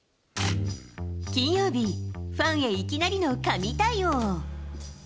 金曜日、ファンへいきなりの神対応。